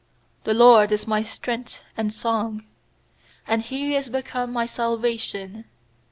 14The LORD is my strength and song; And He is become my salvation.